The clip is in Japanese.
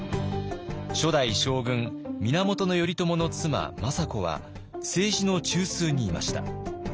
初代将軍源頼朝の妻政子は政治の中枢にいました。